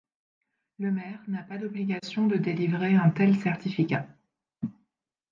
Le maire n’a pas d’obligation de délivrer un tel certificat.